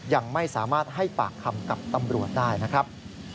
ยังไม่สามารถให้ปากคำกับตำรวจได้นะครับ